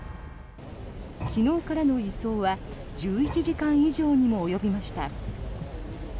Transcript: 昨日からの移送は１１時間以上にも及びました。